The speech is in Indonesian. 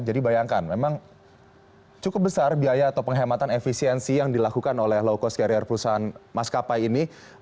jadi bayangkan memang cukup besar biaya atau penghematan efisiensi yang dilakukan oleh low cost carrier perusahaan maskapai ini